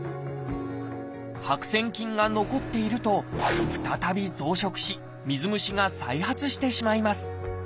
白癬菌が残っていると再び増殖し水虫が再発してしまいます。